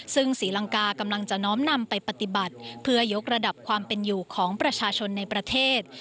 ซึ่งศรีลังกากำลังจะน้อมนำไปปฏิบัติเพื่อยกระดับความเป็นอยู่ของประชาชนในประเทศ